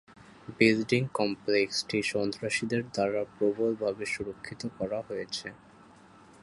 Building কমপ্লেক্সটি সন্ত্রাসীদের দ্বারা প্রবলভাবে সুরক্ষিত করা হয়েছিল।